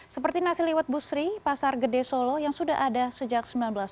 seperti nasi liwet busri pasar gede solo yang sudah ada sejak seribu sembilan ratus sembilan puluh